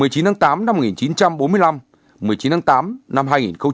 một mươi chín tháng tám năm một nghìn chín trăm bốn mươi năm một mươi chín tháng tám năm hai nghìn một mươi chín